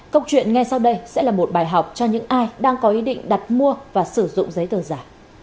câu chuyện ngay sau đây sẽ là một bài học cho những ai đang có ý định đặt mua và sử dụng giấy tờ giả